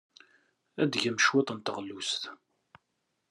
Ad d-tgem cwiṭ n teɣlust.